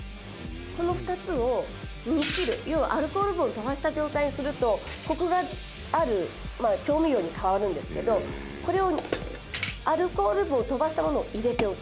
この２つを煮切る」「要はアルコール分を飛ばした状態にするとコクがある調味料に変わるんですけどこれをアルコール分を飛ばしたものを入れておく」